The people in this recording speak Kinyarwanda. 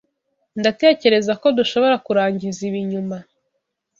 Ndatekereza ko dushobora kurangiza ibi nyuma.